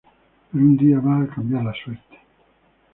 Pero un día va a cambiar la suerte...